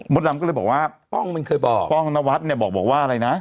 ดำก็เลยบอกว่าป้องมันเคยบอกป้องนวัดเนี่ยบอกว่าอะไรนะ